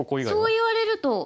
そう言われると。